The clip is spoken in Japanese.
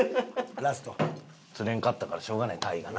釣れんかったからしょうがないタイがな。